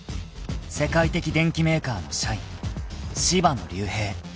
［世界的電機メーカーの社員柴野竜平］